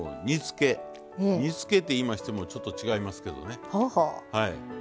煮つけといいましてもちょっと違いますけどね。